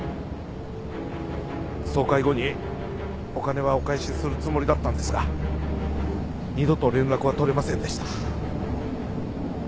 総会後にお金はお返しするつもりだったんですが二度と連絡は取れませんでした